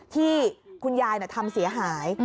ที่คุณยายทำเสียหาย